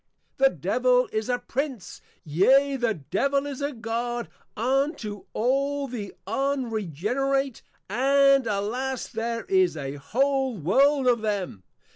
_ The Devil is a Prince, yea, the Devil is a God unto all the Unregenerate; and alas, there is A whole World of them.